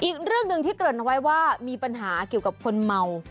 อีกเรื่องหนึ่งที่เกริ่นเอาไว้ว่ามีปัญหาเกี่ยวกับคนเมา